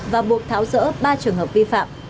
và buộc tháo rỡ ba trường hợp vi phạm